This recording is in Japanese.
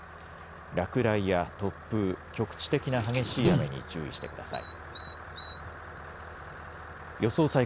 落雷や突風、局地的な激しい雨に注意してください。